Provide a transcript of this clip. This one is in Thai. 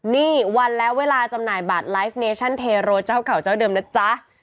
นี่วันแล้วเวลาจำหน่ายบัตรไลฟ์เนชั่นเทโรเจ้าเก่าเจ้าเดิมนะจ๊ะ